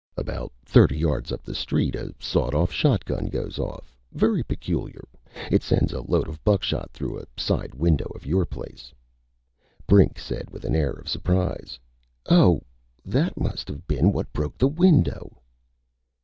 About thirty yards up the street a sawed off shotgun goes off. Very peculiar. It sends a load of buckshot through a side window of your place." Brink said with an air of surprise: "Oh! That must have been what broke the window!"